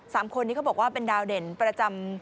สามคนนี้เขาบอกว่าเป็นดาวเด่นประจำ